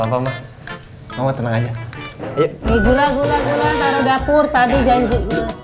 apa apa mau tenang aja ya gula gula gula dapur tadi janji